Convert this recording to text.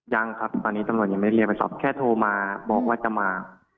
ยังครับตอนนี้ตำรวจยังไม่เรียกไปสอบแค่โทรมาบอกว่าจะมา